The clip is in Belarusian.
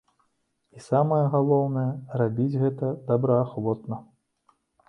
І самае галоўнае, рабіць гэта добраахвотна.